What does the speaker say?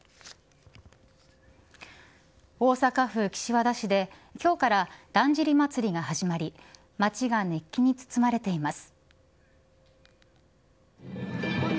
大阪府岸和田市で今日から、だんじり祭が始まり街が熱気に包まれています。